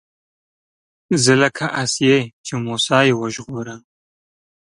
زه لکه آسيې چې موسی يې وژغوره